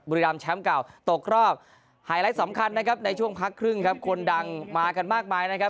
รามแชมป์เก่าตกรอบไฮไลท์สำคัญนะครับในช่วงพักครึ่งครับคนดังมากันมากมายนะครับ